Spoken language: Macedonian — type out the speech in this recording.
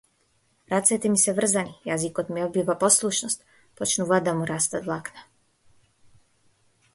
Рацете ми се врзани, јазикот ми одбива послушност, почнуваат да му растат влакна.